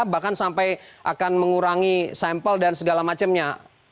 bahkan sampai akan mengurangi sampel dan segala macamnya